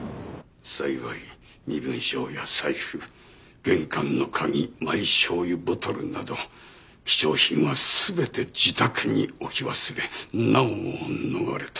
幸い身分証や財布玄関の鍵マイしょう油ボトルなど貴重品は全て自宅に置き忘れ難を逃れた。